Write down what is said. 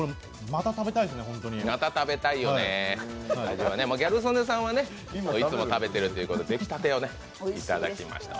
また食べたいですね、本当にギャル曽根さんはいつも食べてると言うことでできたてをいただきました。